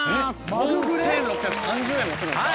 ４６３０円もするんですか？